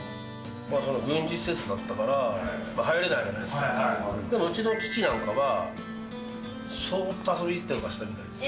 軍事施設だったから、入れないわけだけど、でもうちの父なんかは、そーっと遊びに行ったりとかしてたみたいです。